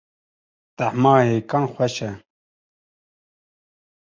Tahma hêkan xweş e.